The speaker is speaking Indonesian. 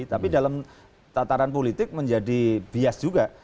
tapi dalam tataran politik menjadi bias juga